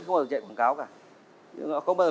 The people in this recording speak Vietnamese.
không bao giờ chạy quảng cáo cả không bao giờ